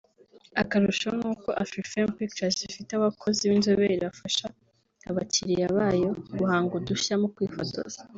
Akarusho ni uko Afrifame Pictures ifite abakozi b’inzobere bafasha abakiriya bayo guhanga udushya mu kwifotoza